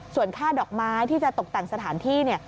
ส่วนค่าดอกไม้ที่จะตกแต่งสถานที่